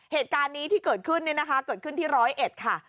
เหตุการณ์นี้ที่เกิดขึ้นเนี่ยนะคะเกิดขึ้นที่ร้อยเอ็ดค่ะ